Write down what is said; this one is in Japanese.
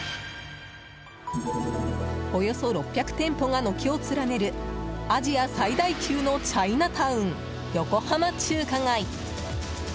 およそ６００店舗が軒を連ねるアジア最大級のチャイナタウン横浜中華街。